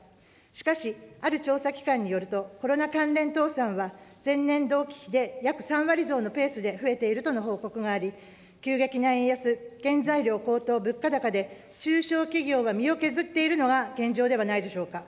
しかし、ある調査機関によると、コロナ関連倒産は、前年同期比で約３割増のペースで増えているとの報告があり、急激な円安、原材料高騰、物価高で、中小企業は身を削っているのが現状ではないでしょうか。